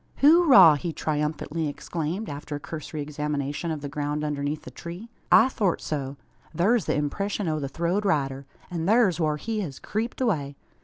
"Hooraw!" he triumphantly exclaimed, after a cursory examination of the ground underneath the tree. "I thort so. Thur's the impreshun o' the throwed rider. An' thur's whar he hez creeped away.